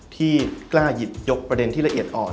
ที่กล้าหยิบยกประเด็นที่ละเอียดอ่อน